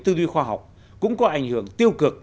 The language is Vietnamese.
tư duy khoa học cũng có ảnh hưởng tiêu cực